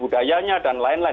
budayanya dan lain lain